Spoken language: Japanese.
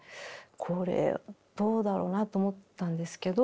これどうだろうなと思ったんですけど。